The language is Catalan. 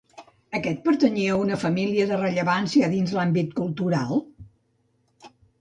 Aquest pertanyia a una família de rellevància dins de l'àmbit cultural?